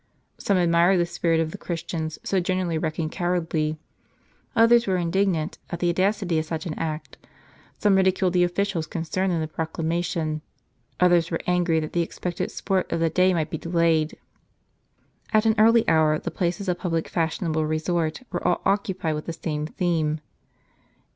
Some admired the spirit of the Christians, so generally reckoned cow ardly ; others were indignant at the audacity of such an act ; some ridiculed the officials concerned in the proclamation; others were angry that the expected sport of the day might be delayed. At an early hour the places of public fashionable resort were all occupied with the same theme.